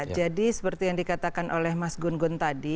jadi seperti yang dikatakan oleh mas gun gun tadi